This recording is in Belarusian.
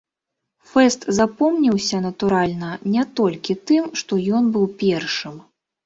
Фэст запомніўся, натуральна, не толькі тым, што ён быў першым.